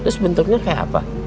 terus bentuknya kayak apa